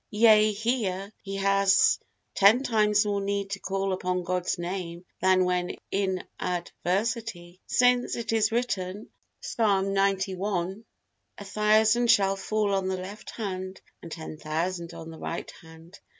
Yea, here he has ten times more need to call upon God's Name than when in adversity. Since it is written, Psalm xci, "A thousand shall fall on the left hand and ten thousand on the right hand."